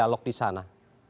berdialog di sana